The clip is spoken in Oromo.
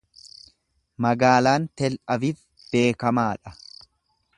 Magaalaan Tel Aviv beekamaa dha.